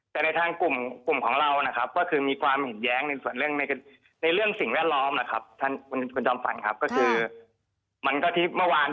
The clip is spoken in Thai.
แต่ในทางกลุ่มของเราคือมีความเห็นแย้ง